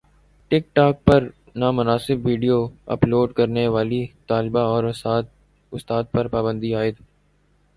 ٹک talk پر نامناسب video upload کرنے والی طالبہ اور استاد پر پابندی عائد